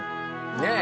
ねえ。